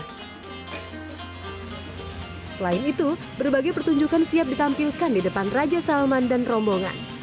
selain itu berbagai pertunjukan siap ditampilkan di depan raja salman dan rombongan